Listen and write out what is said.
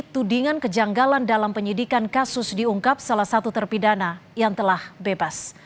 tudingan kejanggalan dalam penyidikan kasus diungkap salah satu terpidana yang telah bebas